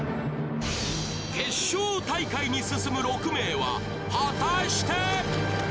決勝大会に進む６名は果たして？